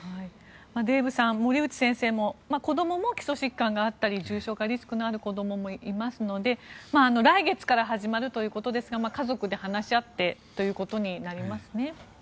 デーブさん、森内先生も子どもも基礎疾患があったり重症化リスクのある子どももいますので来月から始まるということですが家族で話し合ってとなりますね。